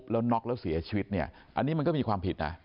แล้วน็อกแล้วเสียชีวิตเนี่ยอันนี้มันก็มีความผิดนะ